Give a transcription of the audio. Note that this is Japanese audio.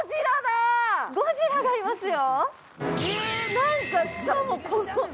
ゴジラがいますよ。